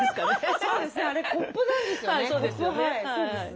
そうですねあれコップなんですよね。